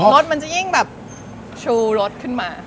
รถมันจะยิ่งแบบชูรถขึ้นมา